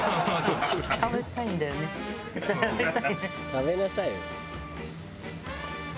「食べなさいよ」